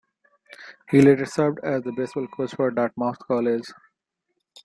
He later served as the baseball coach for Dartmouth College.